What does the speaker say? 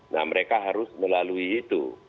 nah mereka harus melalui itu